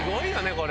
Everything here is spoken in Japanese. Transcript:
これ。